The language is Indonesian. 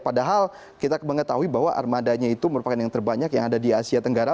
padahal kita mengetahui bahwa armadanya itu merupakan yang terbanyak yang ada di asia tenggara